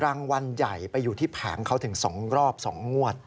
รางวัลใหญ่ไปอยู่ที่แผงเขาถึง๒รอบ๒งวด